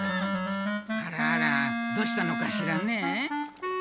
あらあらどうしたのかしらね。